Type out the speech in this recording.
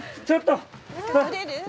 ちょっと。